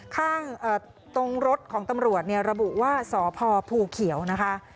ข้างตรงรถของตำรวจเนี่ยระบุว่าสพภูเขียวนะคะ